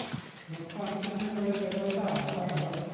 Mae'r plant yn cyrraedd lefel dda yn barod.